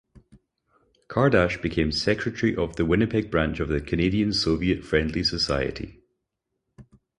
Kardash became secretary of the Winnipeg branch of the Canadian-Soviet Friendly Society.